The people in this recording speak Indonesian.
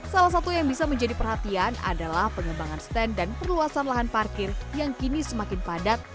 salah satu yang bisa menjadi perhatian adalah pengembangan stand dan perluasan lahan parkir yang kini semakin padat